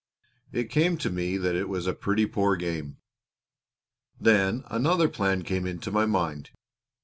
It came to me that it was a pretty poor game. Then another plan came into my mind.